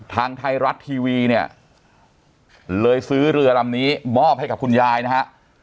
ทางไทยรัฐทีวีเนี่ยเลยซื้อเรือลำนี้มอบให้กับคุณยายนะฮะ